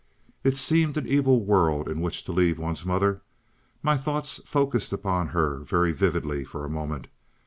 It seemed an evil world in which to leave one's mother. My thoughts focused upon her very vividly for a moment.